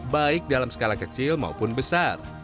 baik dalam skala kecil maupun besar